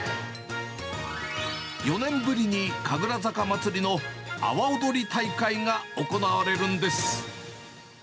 ４年ぶりに神楽坂まつりの阿波踊り大会が行われるんです。